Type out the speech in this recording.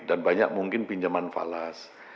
dan banyak mungkin pinjaman falas